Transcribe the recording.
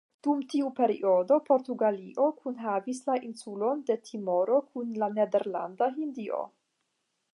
Dum tiu periodo, Portugalio kunhavis la insulon de Timoro kun la Nederlanda Hindio.